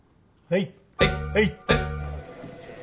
はい。